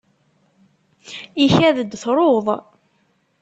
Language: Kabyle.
Ikad-d truḍ.